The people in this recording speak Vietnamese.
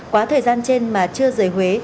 quá thời gian trên mà chưa rời huế